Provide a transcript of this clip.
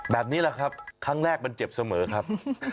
แบบนี้แหละครับครั้งแรกมันเจ็บเสมอครับ